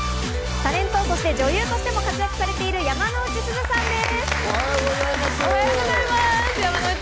タレント・女優としても活躍されている山之内すずさんです。